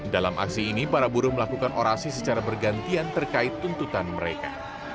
dalam aksi ini para buruh melakukan orasi secara bergantian terkait tuntutan mereka